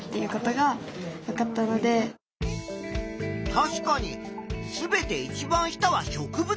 確かに全ていちばん下は植物だな。